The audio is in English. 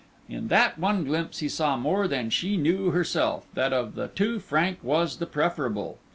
In that one glimpse he saw more than she knew herself, that of the two Frank was the preferable.